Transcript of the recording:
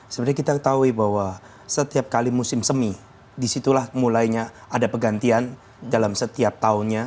sebenarnya kita ketahui bahwa setiap kali musim semi disitulah mulainya ada pergantian dalam setiap tahunnya